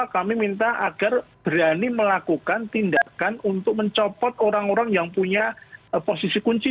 kami minta agar berani melakukan tindakan untuk mencopot orang orang yang punya posisi kunci